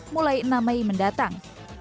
mulai enam mei mendatang